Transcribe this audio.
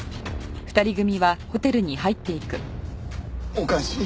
おかしい。